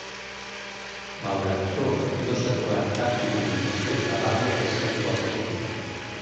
Malgrat tot, no s'ha trobat cap documentació que avali aquesta hipòtesi.